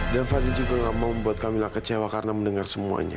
dan fadil juga gak mau membuat camilla kecewa karena mendengar semuanya